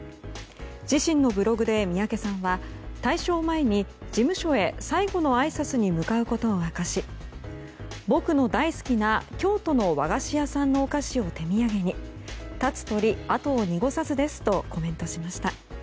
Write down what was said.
自身のブログで三宅さんは退所を前に事務所へ最後のあいさつへ向かうことを明かし僕の大好きな京都の和菓子屋さんのお菓子を手土産に立つ鳥跡を濁さずですとコメントしました。